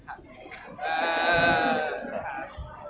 อจะถามว่า